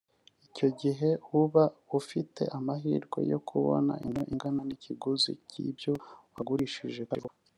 icyo gihe uba ufite amahirwe yo kubona inguzanyo ingana n’ikiguzi cy’ibyo wagurishije kandi vuba